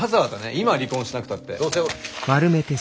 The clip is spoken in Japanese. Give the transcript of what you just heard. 今離婚しなくたってどうせ。